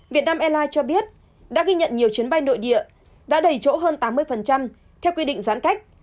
việt nam airlines cho biết đã ghi nhận nhiều chuyến bay nội địa đã đầy chỗ hơn tám mươi theo quy định giãn cách